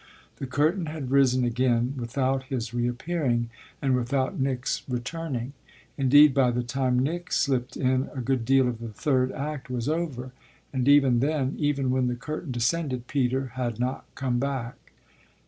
The curtain had risen again without his reappearing and without Nick's returning. Indeed by the time Nick slipped in a good deal of the third act was over; and even then, even when the curtain descended, Peter had not come back.